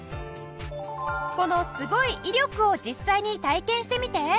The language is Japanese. このすごい威力を実際に体験してみて！